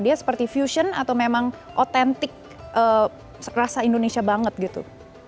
dia seperti fusion atau memang otentik rasa indonesia banget gitu